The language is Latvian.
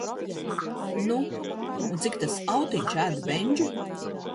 nu, un cik tas autiņš ēd bendžu?